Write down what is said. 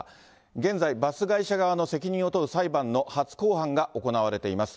現在、バス会社側の責任を問う裁判の初公判が行われています。